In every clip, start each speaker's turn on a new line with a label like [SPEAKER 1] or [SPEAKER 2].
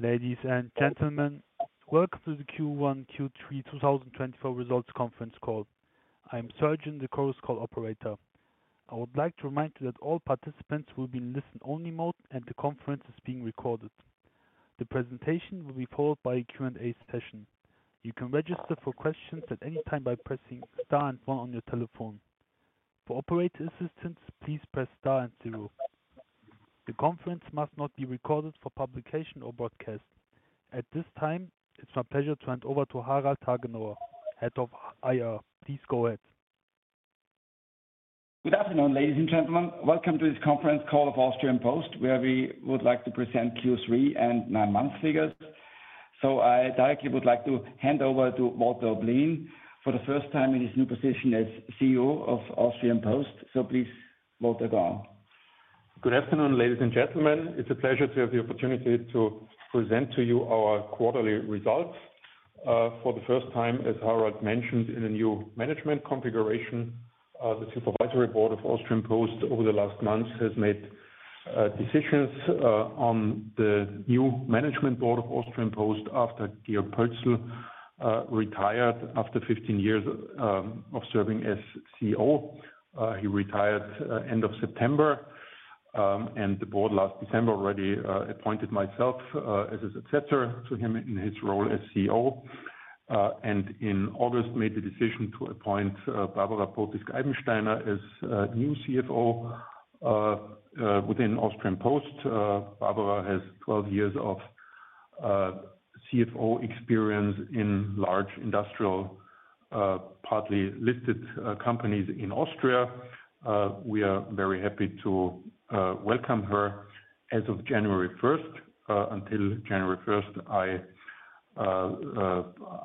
[SPEAKER 1] Ladies and gentlemen, welcome to the Q3 2024 results conference call. I am Sarjan, the Chorus Call operator. I would like to remind you that all participants will be in listen-only mode and the conference is being recorded. The presentation will be followed by a Q&A session. You can register for questions at any time by pressing star and one on your telephone. For operator assistance, please press star and zero. The conference must not be recorded for publication or broadcast. At this time, it's my pleasure to hand over to Harald Hagenauer, Head of IR. Please go ahead.
[SPEAKER 2] Good afternoon, ladies and gentlemen. Welcome to this conference call of Austrian Post, where we would like to present Q3 and nine-month figures. So I directly would like to hand over to Walter Oblin for the first time in his new position as CEO of Austrian Post. So please, Walter Oblin.
[SPEAKER 3] Good afternoon, ladies and gentlemen. It's a pleasure to have the opportunity to present to you our quarterly results. For the first time, as Harald mentioned, in a new management configuration, the supervisory board of Austrian Post over the last months has made decisions on the new management board of Austrian Post after Georg Pölzl retired after 15 years of serving as CEO. He retired at the end of September, and the board last December already appointed myself as his successor to him in his role as CEO. And in August, made the decision to appoint Barbara Potisk-Eibensteiner as new CFO within Austrian Post. Barbara has 12 years of CFO experience in large industrial, partly listed companies in Austria. We are very happy to welcome her. As of January 1st, until January 1st,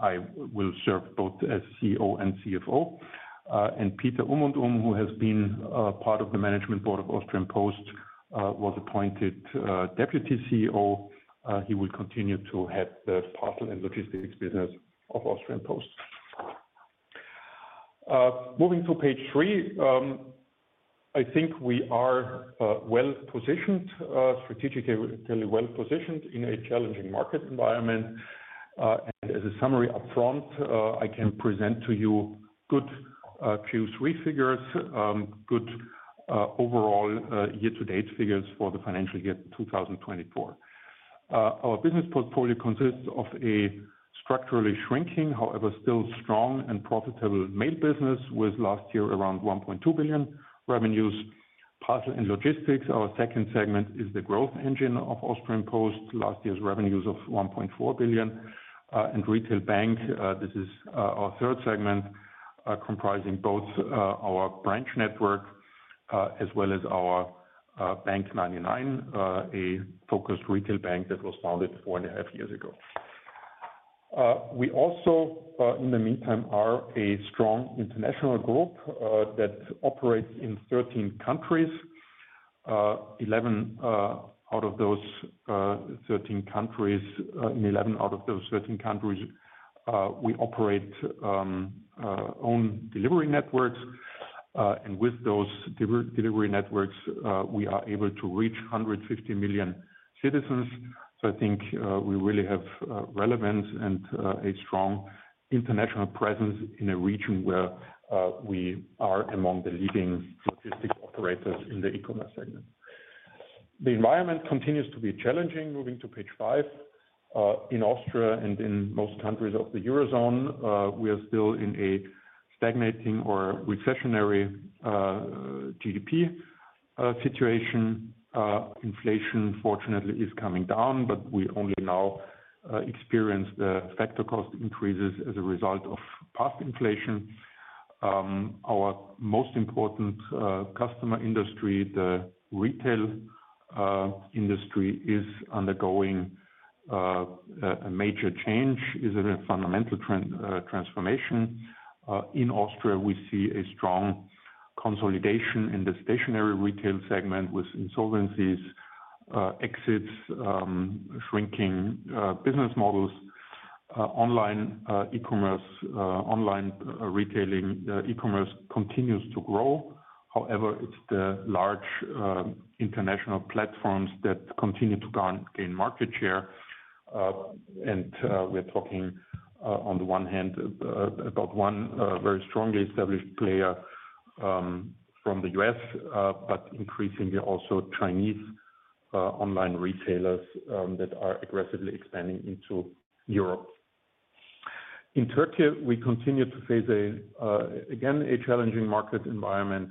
[SPEAKER 3] I will serve both as CEO and CFO. Peter Ummundum, who has been part of the management board of Austrian Post, was appointed Deputy CEO. He will continue to head the parcel and logistics business of Austrian Post. Moving to page three, I think we are well positioned, strategically well positioned in a challenging market environment. As a summary upfront, I can present to you good Q3 figures, good overall year-to-date figures for the financial year 2024. Our business portfolio consists of a structurally shrinking, however still strong and profitable mail business with last year around 1.2 billion revenues. Parcel and logistics, our second segment, is the growth engine of Austrian Post, last year's revenues of 1.4 billion. Retail bank, this is our third segment, comprising both our branch network as well as our bank99, a focused retail bank that was founded four and a half years ago. We also, in the meantime, are a strong international group that operates in 13 countries. In 11 out of those 13 countries, we operate own delivery networks, and with those delivery networks, we are able to reach 150 million citizens, so I think we really have relevance and a strong international presence in a region where we are among the leading logistics operators in the e-commerce segment. The environment continues to be challenging. Moving to page five, in Austria and in most countries of the Eurozone, we are still in a stagnating or recessionary GDP situation. Inflation, fortunately, is coming down, but we only now experience the factor cost increases as a result of past inflation. Our most important customer industry, the retail industry, is undergoing a major change, is a fundamental transformation. In Austria, we see a strong consolidation in the stationary retail segment with insolvencies, exits, shrinking business models. Online e-commerce, online retailing e-commerce continues to grow. However, it's the large international platforms that continue to gain market share. And we're talking on the one hand about one very strongly established player from the U.S., but increasingly also Chinese online retailers that are aggressively expanding into Europe. In Turkey, we continue to face, again, a challenging market environment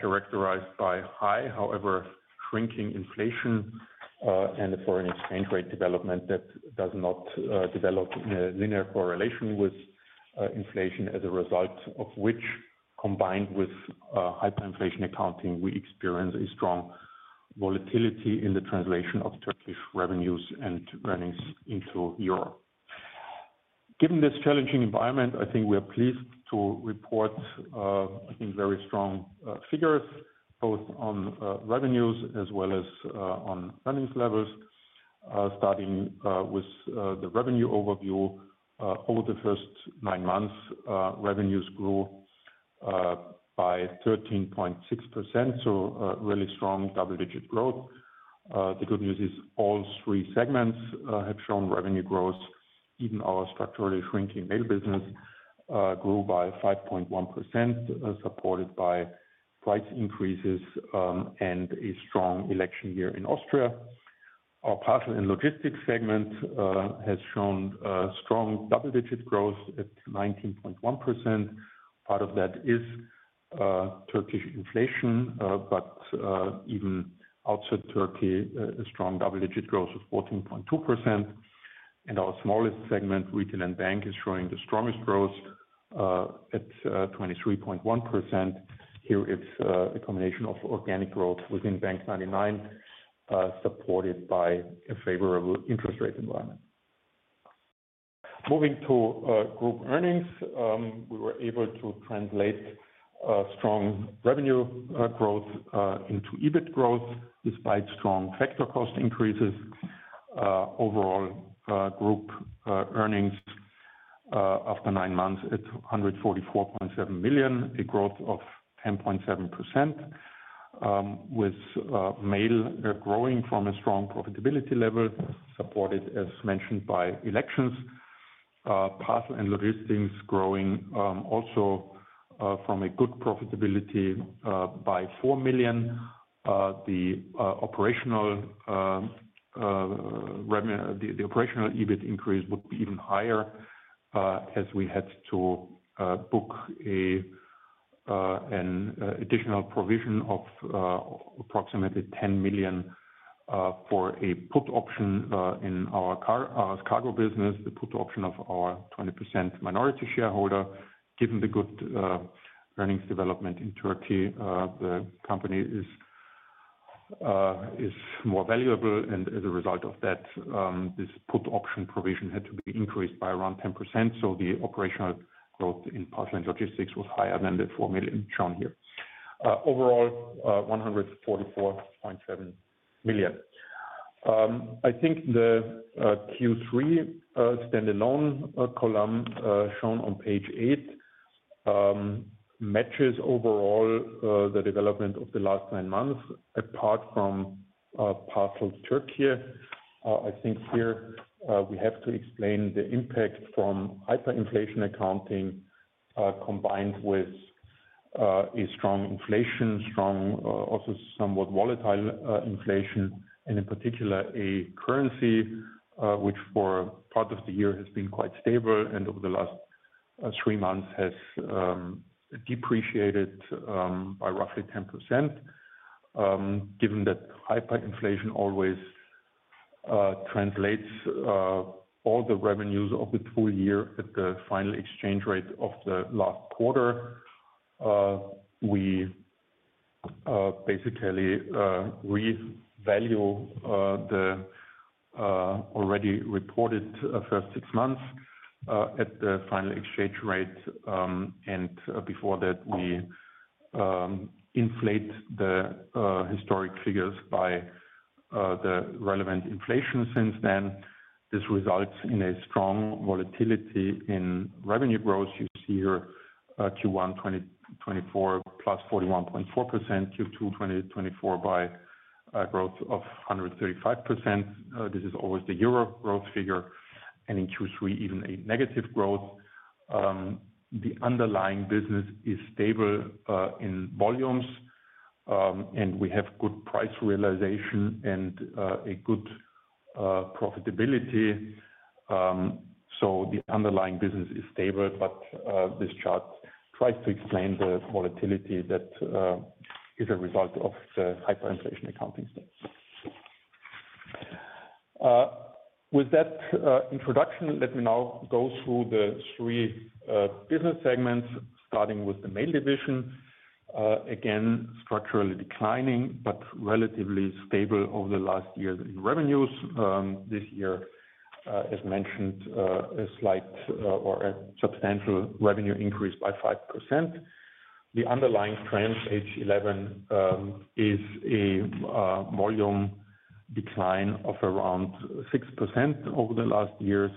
[SPEAKER 3] characterized by high, however shrinking inflation and a foreign exchange rate development that does not develop in a linear correlation with inflation, as a result of which, combined with hyperinflation accounting, we experience a strong volatility in the translation of Turkish revenues and earnings into Europe. Given this challenging environment, I think we are pleased to report, I think, very strong figures, both on revenues as well as on earnings levels. Starting with the revenue overview, over the first nine months, revenues grew by 13.6%, so really strong double-digit growth. The good news is all three segments have shown revenue growth. Even our structurally shrinking mail business grew by 5.1%, supported by price increases and a strong election year in Austria. Our parcel and logistics segment has shown strong double-digit growth at 19.1%. Part of that is Turkish inflation, but even outside Turkey, a strong double-digit growth of 14.2%, and our smallest segment, retail and bank, is showing the strongest growth at 23.1%. Here, it's a combination of organic growth within bank99, supported by a favorable interest rate environment. Moving to group earnings, we were able to translate strong revenue growth into EBIT growth despite strong factor cost increases. Overall, group earnings after nine months at 144.7 million, a growth of 10.7%, with mail growing from a strong profitability level, supported, as mentioned, by elections. Parcel and logistics growing also from a good profitability by 4 million. The operational EBIT increase would be even higher as we had to book an additional provision of approximately 10 million for a put option in our cargo business, the put option of our 20% minority shareholder. Given the good earnings development in Turkey, the company is more valuable. And as a result of that, this put option provision had to be increased by around 10%. So the operational growth in parcel and logistics was higher than the 4 million shown here. Overall, 144.7 million. I think the Q3 standalone column shown on page eight matches overall the development of the last nine months, apart from parcel Turkey. I think here we have to explain the impact from hyperinflation accounting combined with a strong inflation, strong also somewhat volatile inflation, and in particular, a currency which for part of the year has been quite stable and over the last three months has depreciated by roughly 10%. Given that hyperinflation accounting always translates all the revenues of the full year at the final exchange rate of the last quarter, we basically revalue the already reported first six months at the final exchange rate. And before that, we inflate the historic figures by the relevant inflation since then. This results in a strong volatility in revenue growth. You see here Q1 2024 plus 41.4%, Q2 2024 by a growth of 135%. This is always the Euro growth figure. And in Q3, even a negative growth. The underlying business is stable in volumes, and we have good price realization and a good profitability, so the underlying business is stable, but this chart tries to explain the volatility that is a result of the hyperinflation accounting state. With that introduction, let me now go through the three business segments, starting with the mail division. Again, structurally declining, but relatively stable over the last year in revenues. This year, as mentioned, a slight or a substantial revenue increase by 5%. The underlying trend, page 11, is a volume decline of around 6% over the last years.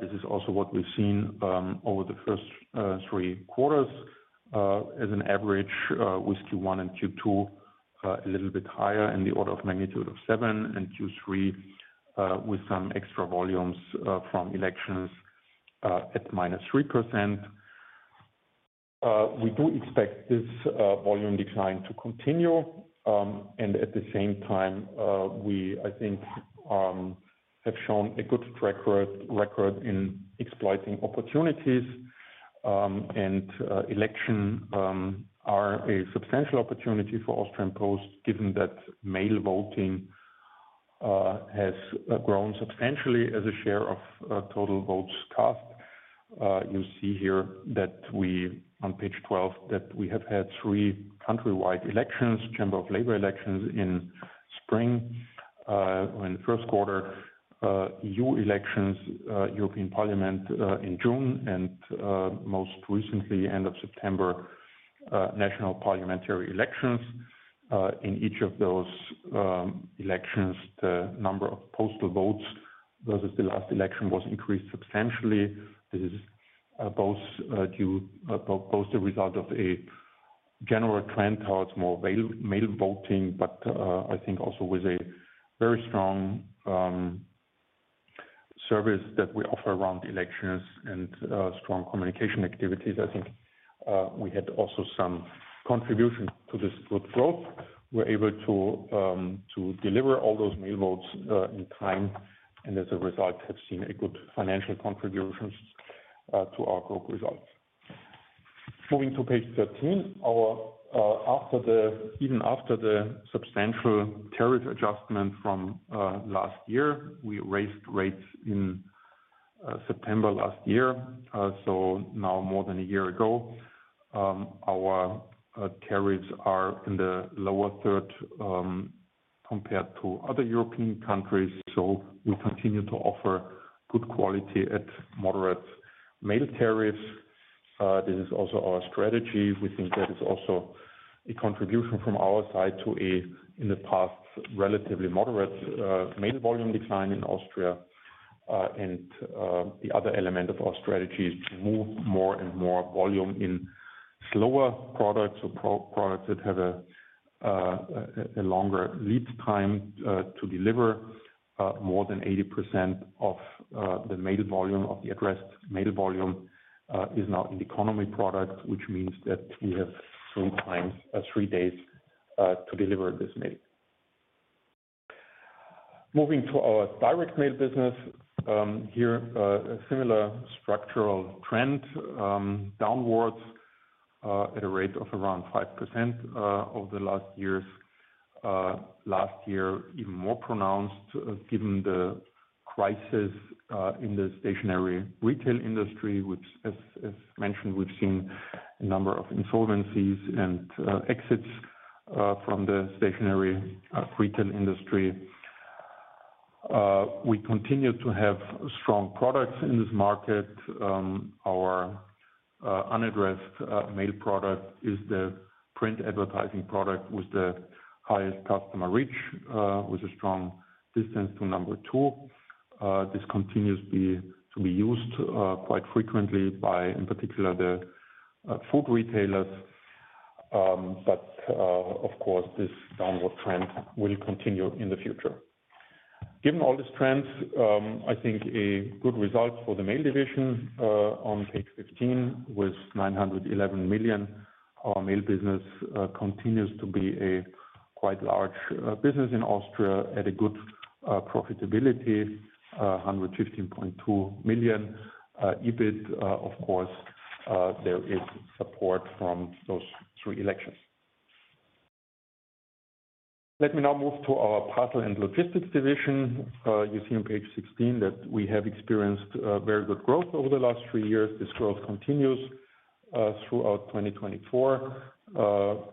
[SPEAKER 3] This is also what we've seen over the first three quarters. As an average, with Q1 and Q2, a little bit higher in the order of magnitude of 7, and Q3 with some extra volumes from elections at minus 3%. We do expect this volume decline to continue. At the same time, we, I think, have shown a good track record in exploiting opportunities. Elections are a substantial opportunity for Austrian Post, given that mail voting has grown substantially as a share of total votes cast. You see here that we, on page 12, that we have had three countrywide elections, Chamber of Labor elections in spring in the first quarter, EU elections, European Parliament in June, and most recently, end of September, national parliamentary elections. In each of those elections, the number of postal votes versus the last election was increased substantially. This is both the result of a general trend towards more mail voting, but I think also with a very strong service that we offer around elections and strong communication activities. I think we had also some contribution to this good growth. We were able to deliver all those mail votes in time, and as a result, have seen a good financial contribution to our group results. Moving to page 13, even after the substantial tariff adjustment from last year, we raised rates in September last year, so now more than a year ago. Our tariffs are in the lower third compared to other European countries. So we continue to offer good quality at moderate mail tariffs. This is also our strategy. We think that is also a contribution from our side to a, in the past, relatively moderate mail volume decline in Austria. And the other element of our strategy is to move more and more volume in slower products or products that have a longer lead time to deliver. More than 80% of the mail volume of the addressed mail volume is now in the economy product, which means that we have three days to deliver this mail. Moving to our direct mail business, here, a similar structural trend downwards at a rate of around 5% over the last years. Last year, even more pronounced given the crisis in the stationary retail industry, which, as mentioned, we've seen a number of insolvencies and exits from the stationary retail industry. We continue to have strong products in this market. Our unaddressed mail product is the print advertising product with the highest customer reach, with a strong distance to number two. This continues to be used quite frequently by, in particular, the food retailers. But, of course, this downward trend will continue in the future. Given all these trends, I think a good result for the mail division on page 15 with 911 million, our mail business continues to be a quite large business in Austria at a good profitability, 115.2 million EBIT. Of course, there is support from those three elections. Let me now move to our parcel and logistics division. You see on page 16 that we have experienced very good growth over the last three years. This growth continues throughout 2024.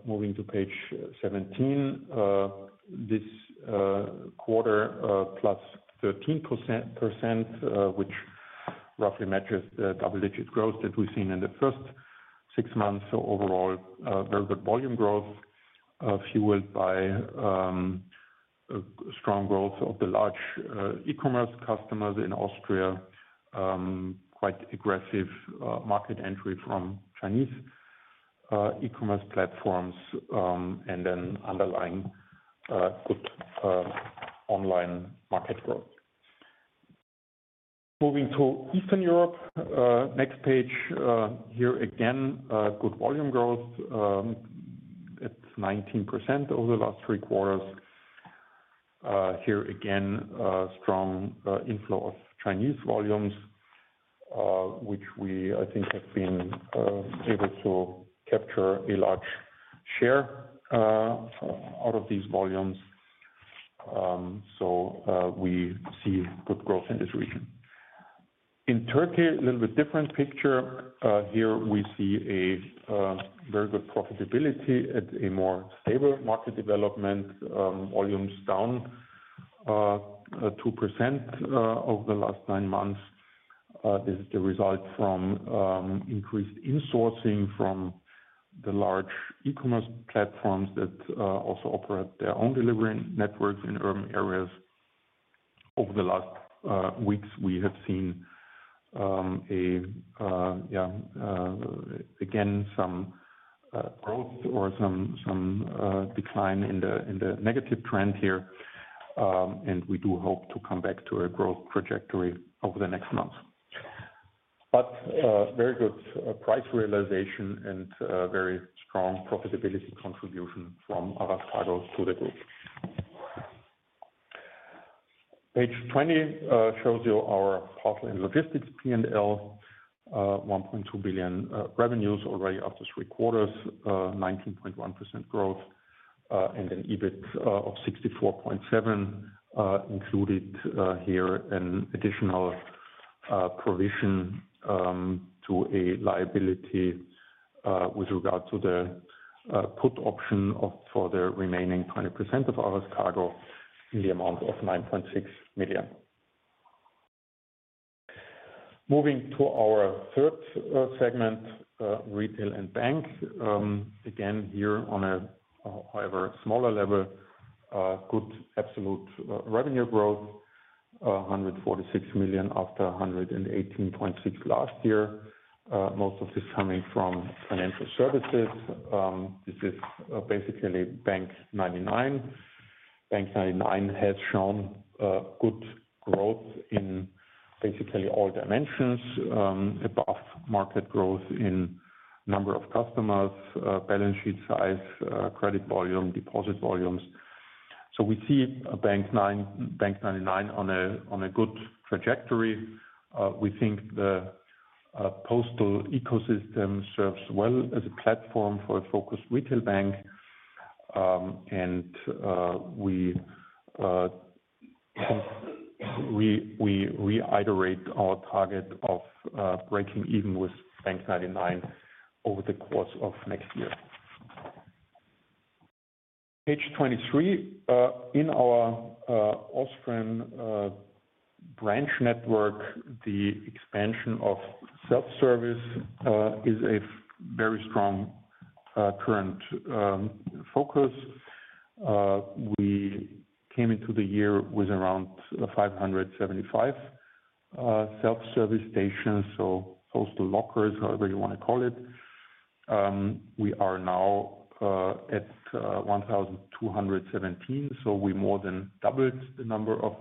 [SPEAKER 3] Moving to page 17, this quarter plus 13%, which roughly matches the double-digit growth that we've seen in the first six months. So overall, very good volume growth fueled by strong growth of the large e-commerce customers in Austria, quite aggressive market entry from Chinese e-commerce platforms, and then underlying good online market growth. Moving to Eastern Europe, next page here again, good volume growth at 19% over the last three quarters. Here again, strong inflow of Chinese volumes, which we, I think, have been able to capture a large share out of these volumes, so we see good growth in this region. In Turkey, a little bit different picture. Here we see a very good profitability at a more stable market development, volumes down 2% over the last nine months. This is the result from increased insourcing from the large e-commerce platforms that also operate their own delivery networks in urban areas. Over the last weeks, we have seen again some growth or some decline in the negative trend here, and we do hope to come back to a growth trajectory over the next months, but very good price realization and very strong profitability contribution from Aras Kargo to the group. Page 20 shows you our parcel and logistics P&L, 1.2 billion revenues already after three quarters, 19.1% growth, and an EBIT of 64.7 million included here an additional provision to a liability with regard to the put option for the remaining 20% of Aras Kargo in the amount of 9.6 million. Moving to our third segment, retail and bank. Again, here on a, however, smaller level, good absolute revenue growth, 146 million after 118.6 million last year. Most of this coming from financial services. This is basically bank99. Bank99 has shown good growth in basically all dimensions, above market growth in number of customers, balance sheet size, credit volume, deposit volumes. So we see bank99 on a good trajectory. We think the postal ecosystem serves well as a platform for a focused retail bank. We reiterate our target of breaking even with bank99 over the course of next year. Page 23, in our Austrian branch network, the expansion of self-service is a very strong current focus. We came into the year with around 575 self-service stations, so postal lockers, however you want to call it. We are now at 1,217, so we more than doubled the number of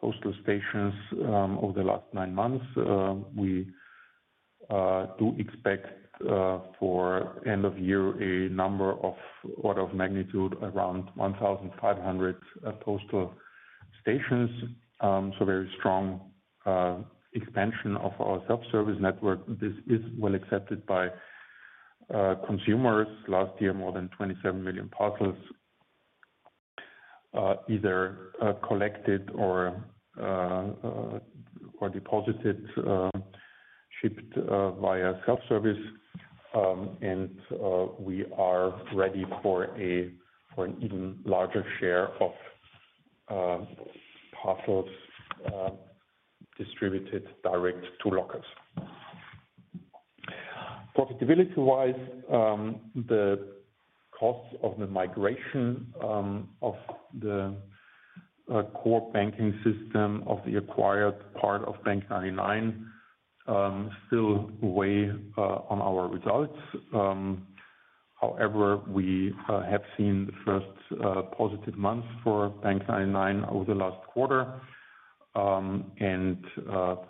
[SPEAKER 3] postal stations over the last nine months. We do expect for end of year a number of order of magnitude around 1,500 postal stations. So very strong expansion of our self-service network. This is well accepted by consumers. Last year, more than 27 million parcels either collected or deposited, shipped via self-service. We are ready for an even larger share of parcels distributed direct to lockers. Profitability-wise, the costs of the migration of the core banking system of the acquired part of bank99 still weigh on our results. However, we have seen the first positive months for bank99 over the last quarter. And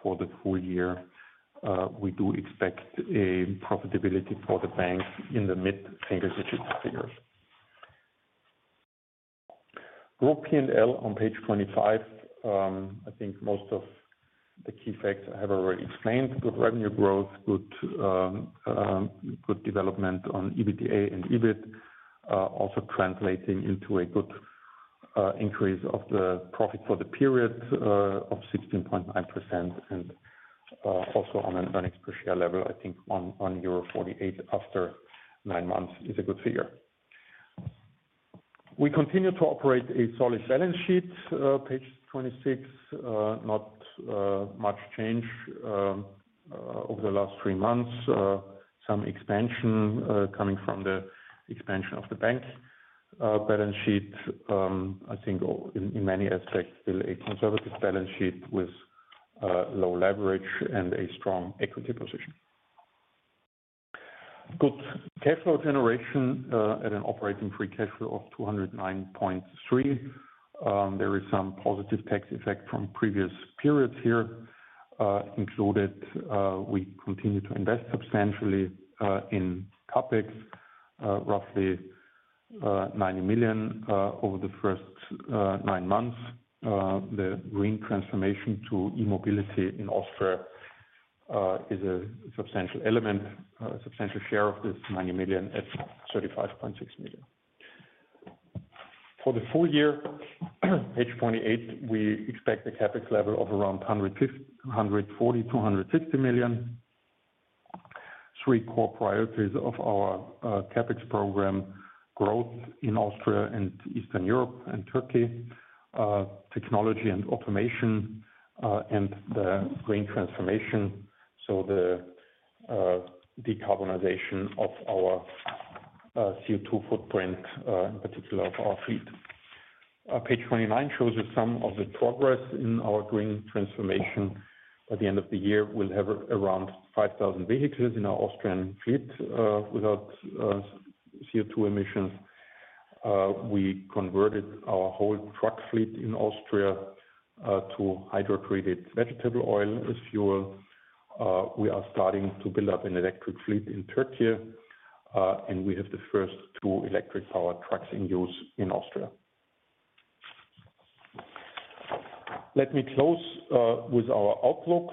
[SPEAKER 3] for the full year, we do expect a profitability for the bank in the mid-single-digit figures. Group P&L on page 25, I think most of the key facts I have already explained. Good revenue growth, good development on EBITDA and EBIT, also translating into a good increase of the profit for the period of 16.9%. And also on an unexpected level, I think euro 1.48 after nine months is a good figure. We continue to operate a solid balance sheet. Page 26, not much change over the last three months. Some expansion coming from the expansion of the bank balance sheet. I think in many aspects, still a conservative balance sheet with low leverage and a strong equity position. Good cash flow generation at an operating free cash flow of 209.3 million. There is some positive tax effect from previous periods here included. We continue to invest substantially in CapEx, roughly 90 million over the first nine months. The green transformation to e-mobility in Austria is a substantial element, a substantial share of this 90 million at 35.6 million. For the full year, page 28, we expect a CapEx level of around 140-160 million. Three core priorities of our CapEx program: growth in Austria and Eastern Europe and Turkey, technology and automation, and the green transformation, so the decarbonization of our CO2 footprint, in particular of our fleet. Page 29 shows you some of the progress in our green transformation. By the end of the year, we'll have around 5,000 vehicles in our Austrian fleet without CO2 emissions. We converted our whole truck fleet in Austria to hydrotreated vegetable oil as fuel. We are starting to build up an electric fleet in Türkiye, and we have the first two electric-powered trucks in use in Austria. Let me close with our outlook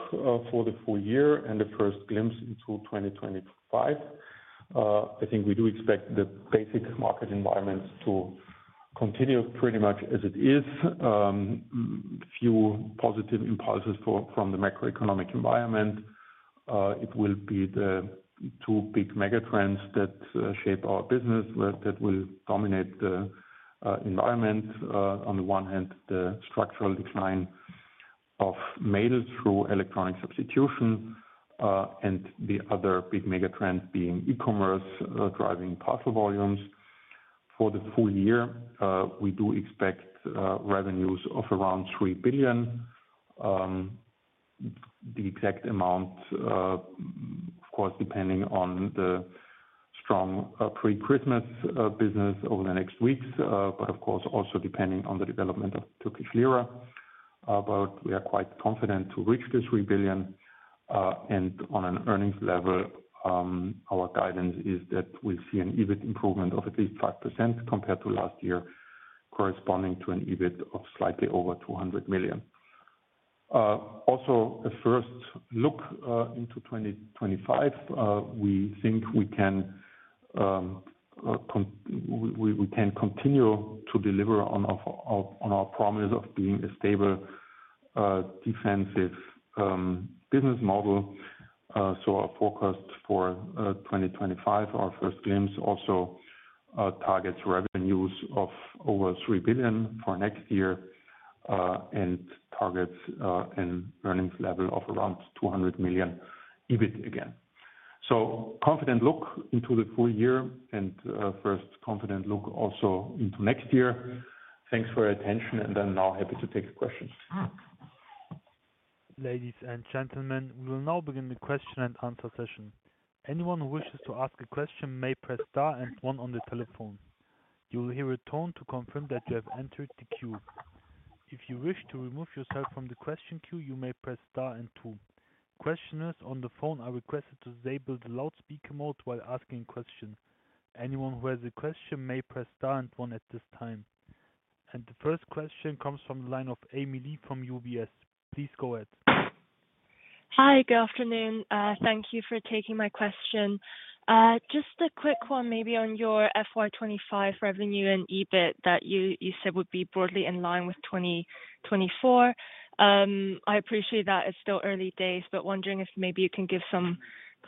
[SPEAKER 3] for the full year and the first glimpse into 2025. I think we do expect the basic market environment to continue pretty much as it is. Few positive impulses from the macroeconomic environment. It will be the two big megatrends that shape our business that will dominate the environment. On the one hand, the structural decline of mail through electronic substitution, and the other big megatrend being e-commerce driving parcel volumes. For the full year, we do expect revenues of around 3 billion. The exact amount, of course, depending on the strong pre-Christmas business over the next weeks, but of course, also depending on the development of Turkish lira, but we are quite confident to reach 3 billion. And on an earnings level, our guidance is that we'll see an EBIT improvement of at least 5% compared to last year, corresponding to an EBIT of slightly over 200 million. Also, a first look into 2025, we think we can continue to deliver on our promise of being a stable, defensive business model. So our forecast for 2025, our first glimpse, also targets revenues of over 3 billion for next year and targets an earnings level of around 200 million EBIT again. So confident look into the full year and first confident look also into next year. Thanks for your attention, and I'm now happy to take questions.
[SPEAKER 1] Ladies and gentlemen, we will now begin the question and answer session. Anyone who wishes to ask a question may press star and one on the telephone. You will hear a tone to confirm that you have entered the queue. If you wish to remove yourself from the question queue, you may press star and two. Questioners on the phone are requested to disable the loudspeaker mode while asking a question. Anyone who has a question may press star and one at this time. And the first question comes from the line of Amy Li from UBS. Please go ahead.
[SPEAKER 4] Hi, good afternoon. Thank you for taking my question. Just a quick one, maybe on your FY25 revenue and EBIT that you said would be broadly in line with 2024. I appreciate that it's still early days, but wondering if maybe you can give some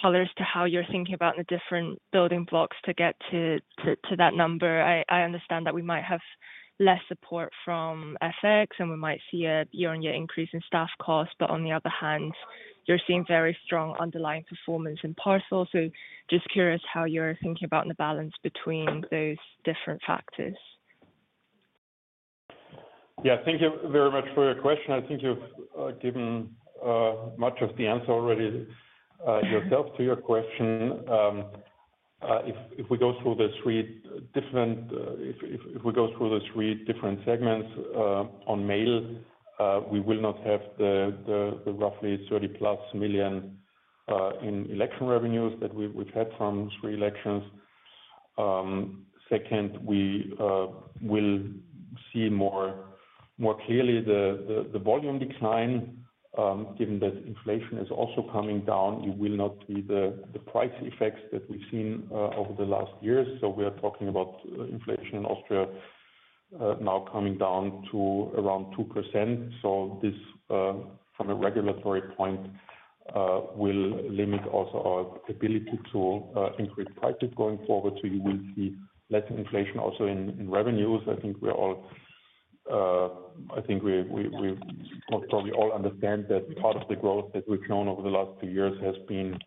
[SPEAKER 4] colors to how you're thinking about the different building blocks to get to that number. I understand that we might have less support from FX, and we might see a year-on-year increase in staff costs, but on the other hand, you're seeing very strong underlying performance in parcels. So just curious how you're thinking about the balance between those different factors.
[SPEAKER 3] Yeah, thank you very much for your question. I think you've given much of the answer already yourself to your question. If we go through the three different segments on mail, we will not have the roughly 30+ million in election revenues that we've had from three elections. Second, we will see more clearly the volume decline. Given that inflation is also coming down, it will not be the price effects that we've seen over the last years, so we are talking about inflation in Austria now coming down to around 2%, so this, from a regulatory point, will limit also our ability to increase prices going forward, so you will see less inflation also in revenues. I think we probably all understand that part of the growth that we've known over the last two years has been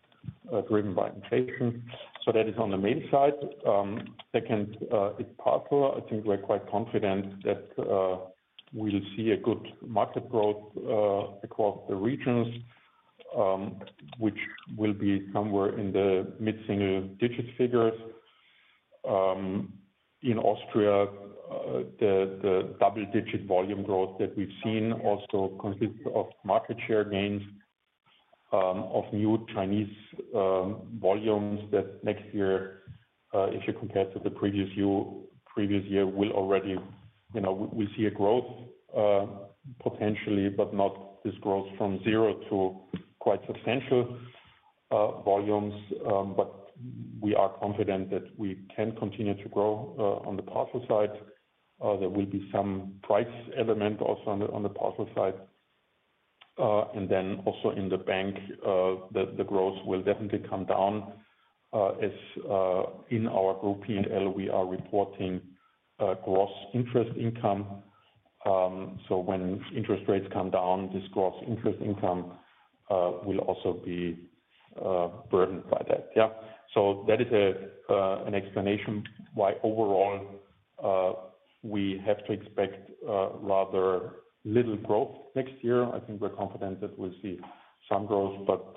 [SPEAKER 3] driven by inflation, so that is on the mail side. Second, it's possible. I think we're quite confident that we'll see a good market growth across the regions, which will be somewhere in the mid-single digit figures. In Austria, the double-digit volume growth that we've seen also consists of market share gains of new Chinese volumes that next year, if you compare to the previous year, we'll already see a growth potentially, but not this growth from zero to quite substantial volumes, but we are confident that we can continue to grow on the parcel side. There will be some price element also on the parcel side, and then also in the bank, the growth will definitely come down. In our group P&L, we are reporting gross interest income, so when interest rates come down, this gross interest income will also be burdened by that. Yeah, so that is an explanation why overall we have to expect rather little growth next year. I think we're confident that we'll see some growth, but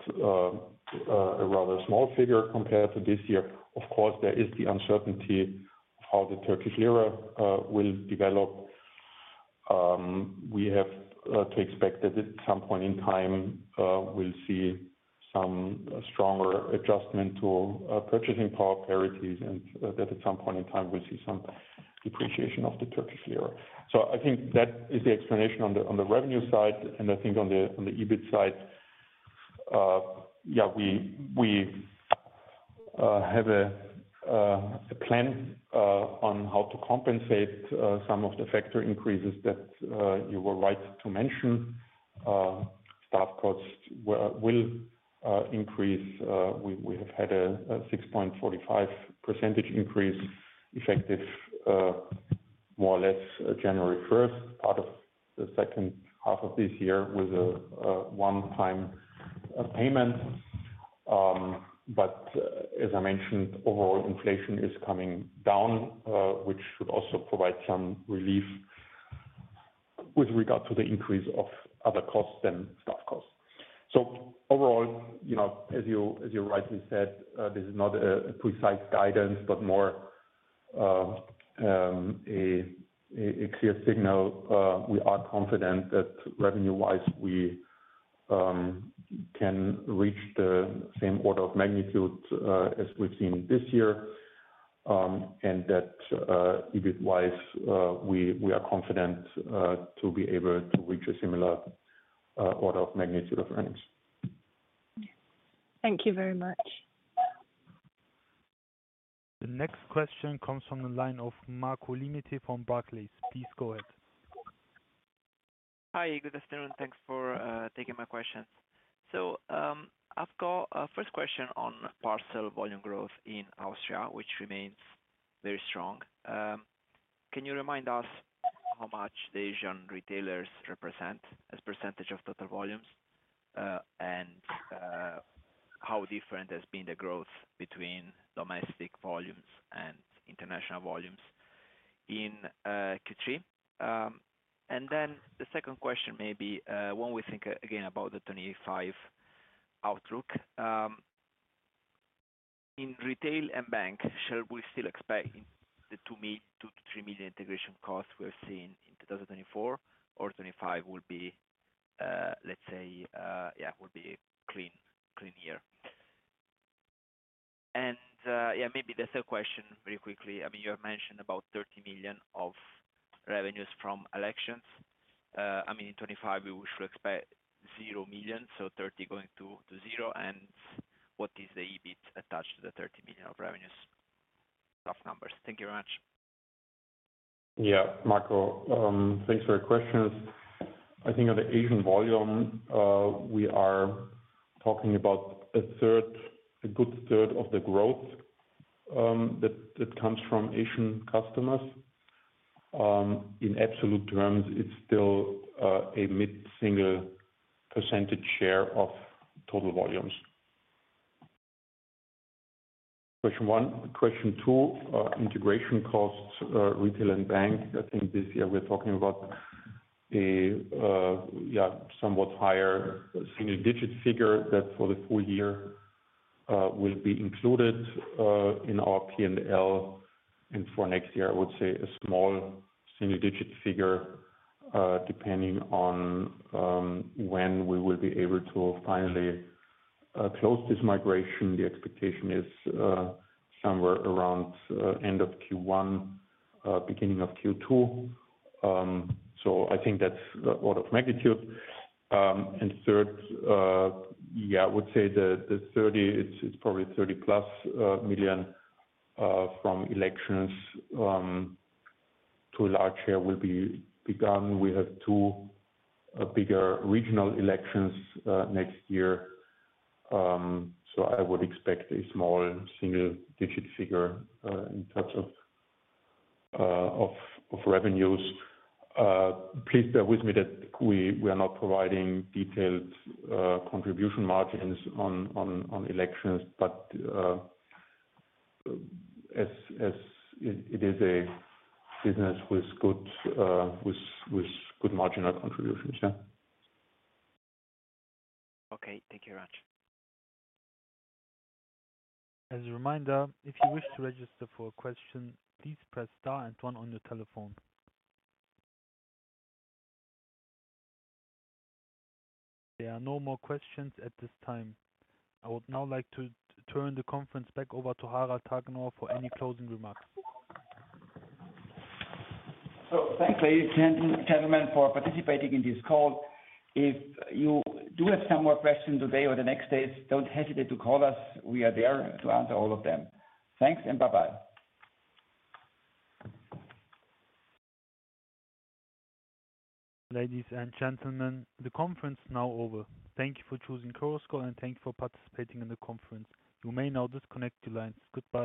[SPEAKER 3] a rather small figure compared to this year. Of course, there is the uncertainty of how the Turkish lira will develop. We have to expect that at some point in time, we'll see some stronger adjustment to purchasing power parities and that at some point in time, we'll see some depreciation of the Turkish lira. So I think that is the explanation on the revenue side. And I think on the EBIT side, yeah, we have a plan on how to compensate some of the factor increases that you were right to mention. Staff costs will increase. We have had a 6.45% increase effective more or less January 1st, part of the second half of this year with a one-time payment. But as I mentioned, overall inflation is coming down, which should also provide some relief with regard to the increase of other costs than staff costs. So overall, as you rightly said, this is not a precise guidance, but more a clear signal. We are confident that revenue-wise, we can reach the same order of magnitude as we've seen this year. And that EBIT-wise, we are confident to be able to reach a similar order of magnitude of earnings.
[SPEAKER 4] Thank you very much.
[SPEAKER 1] The next question comes from the line of Marco Limite from Barclays. Please go ahead.
[SPEAKER 5] Hi, good afternoon. Thanks for taking my question. So I've got a first question on parcel volume growth in Austria, which remains very strong. Can you remind us how much the Asian retailers represent as a percentage of total volumes and how different has been the growth between domestic volumes and international volumes in Q3? And then the second question may be when we think again about the 2025 outlook. In retail and bank, shall we still expect the 2-3 million integration costs we're seeing in 2024, or 2025 will be, let's say, yeah, will be a clean year? And yeah, maybe the third question very quickly. I mean, you have mentioned about 30 million of revenues from elections. I mean, in 2025, we should expect 0 million, so 30 going to 0. And what is the EBIT attached to the 30 million of revenues? Rough numbers. Thank you very much.
[SPEAKER 3] Yeah, Marco, thanks for your questions. I think on the Asian volume, we are talking about a good third of the growth that comes from Asian customers. In absolute terms, it's still a mid-single percentage share of total volumes. Question one. Question two, integration costs, retail and bank. I think this year we're talking about yeah, somewhat higher single-digit figure that for the full year will be included in our P&L. And for next year, I would say a small single-digit figure depending on when we will be able to finally close this migration. The expectation is somewhere around end of Q1, beginning of Q2. So I think that's order of magnitude. And third, yeah, I would say the 30, it's probably €30-plus million from elections to a large share will be gone. We have two bigger regional elections next year. So I would expect a small single-digit figure in terms of revenues. Please bear with me that we are not providing detailed contribution margins on elections, but it is a business with good margin contributions. Yeah.
[SPEAKER 5] Okay. Thank you very much.
[SPEAKER 1] As a reminder, if you wish to register for a question, please press star and one on your telephone. There are no more questions at this time. I would now like to turn the conference back over to Harald Hagenauer for any closing remarks.
[SPEAKER 2] So thank you, ladies and gentlemen, for participating in this call. If you do have some more questions today or the next days, don't hesitate to call us. We are there to answer all of them. Thanks and bye-bye.
[SPEAKER 1] Ladies and gentlemen, the conference is now over. Thank you for choosing Chorus Call and thank you for participating in the conference. You may now disconnect your lines. Goodbye.